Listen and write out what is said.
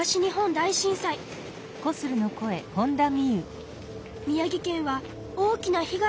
宮城県は大きな被害を受けたんだよね。